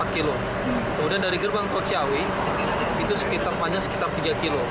kemudian dari gerbang tol ciawi itu sekitar panjang sekitar tiga km